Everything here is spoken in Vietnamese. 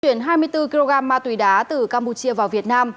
trên chuyển hai mươi bốn kg ma tùy đá từ campuchia vào việt nam